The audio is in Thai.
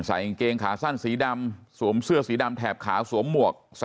กางเกงขาสั้นสีดำสวมเสื้อสีดำแถบขาวสวมหมวก